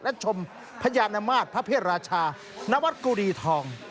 และชมพญานมาตรพระเพศราชานวัดกุรีทอง